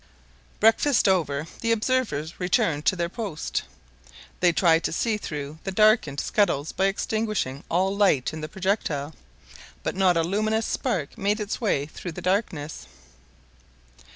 Breakfast over, the observers returned to their post. They tried to see through the darkened scuttles by extinguishing all light in the projectile; but not a luminous spark made its way through the darkness.